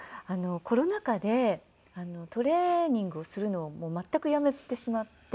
コロナ禍でトレーニングをするのをもう全くやめてしまって。